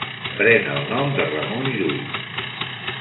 Pren el nom de Ramon Llull.